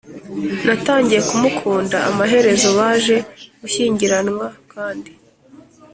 Natangiye kumukunda Amaherezo baje gushyingiranwa kandi